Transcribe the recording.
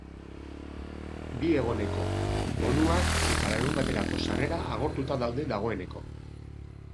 Bi eguneko bonuak eta larunbaterako sarrera agortuta daude dagoeneko.